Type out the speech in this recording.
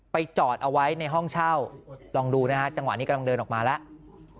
จอดเอาไว้ในห้องเช่าลองดูนะฮะจังหวะนี้กำลังเดินออกมาแล้ว